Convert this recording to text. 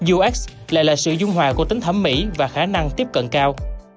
ux lại là sự dung hòa của tính thẩm mỹ và khả năng tiếp cận cao